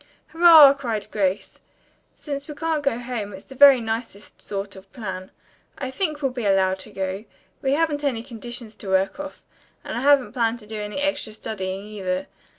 "Hurrah!" cried Grace. "Since we can't go home, it's the very nicest sort of plan. I think we'll be allowed to go. We haven't any conditions to work off, and I haven't planned to do any extra studying either.